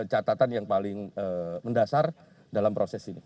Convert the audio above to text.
catatan yang paling mendasar dalam proses ini